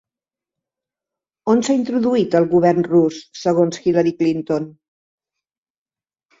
On s'ha introduït el govern rus segons Hillary Clinton?